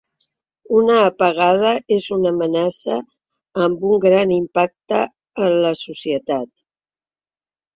Una apagada és una amenaça amb un gran impacte en la societat.